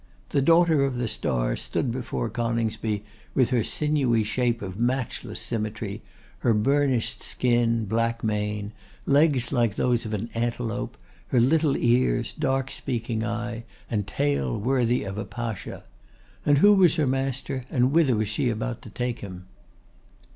'The Daughter of the Star' stood before Coningsby with her sinewy shape of matchless symmetry; her burnished skin, black mane, legs like those of an antelope, her little ears, dark speaking eye, and tail worthy of a Pacha. And who was her master, and whither was she about to take him?